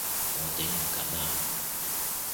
我頂唔緊喇！